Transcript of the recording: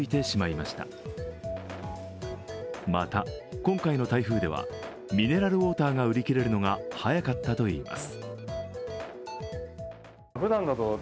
また今回の台風では、ミネラルウォーターが売り切れるのが早かったといいます。